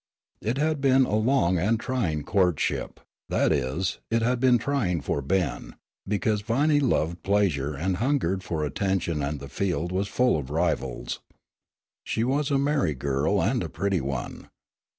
It had been a long and trying courtship that is, it had been trying for Ben, because Viney loved pleasure and hungered for attention and the field was full of rivals. She was a merry girl and a pretty one.